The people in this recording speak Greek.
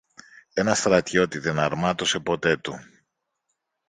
Ένα στρατιώτη δεν αρμάτωσε ποτέ του.